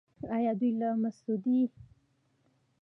آیا دوی له سعودي سره اړیکې ښې نه کړې؟